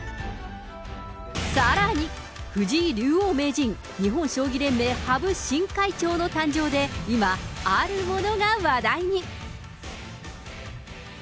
さらに、藤井竜王名人、日本将棋連盟羽生新会長の誕生で、今、あるものが話題に。